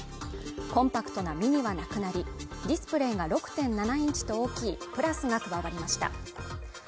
コンパクトなｍｉｎｉはなくなりディスプレイが６．７インチと大きいＰｌｕｓが加わりました